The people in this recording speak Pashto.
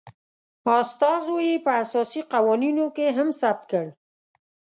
استازو یي په اساسي قوانینو کې هم ثبت کړ